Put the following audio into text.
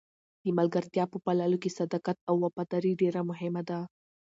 د ملګرتیا په پاللو کې صداقت او وفاداري ډېره مهمه ده.